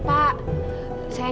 pak gak usah deh pak